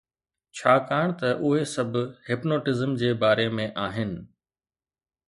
ڇاڪاڻ ته اهي سڀ hypnotism جي باري ۾ آهن